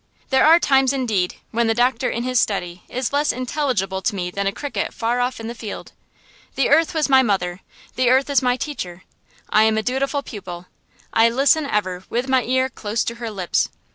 There are times, indeed, when the doctor in his study is less intelligible to me than a cricket far off in the field. The earth was my mother, the earth is my teacher. I am a dutiful pupil: I listen ever with my ear close to her lips.